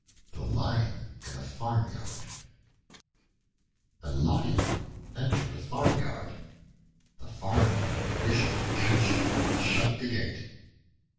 The Lion in a Farmyard A LION entered a farmyard. The Farmer, wishing to catch him, shut the gate.